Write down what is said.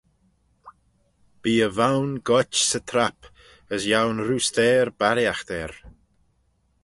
Bee e voyn goit 'sy trap, as yiow'n roosteyr barriaght er.